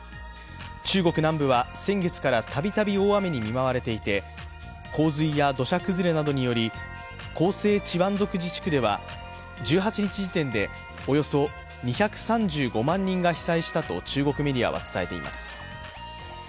中国南部は先月から度々大雨に見舞われていて洪水や土砂崩れなどにより広西チワン族自治区では１８日時点でおよそ２３５万人が被災したと中国メディアは伝えています。